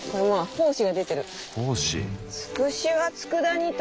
胞子。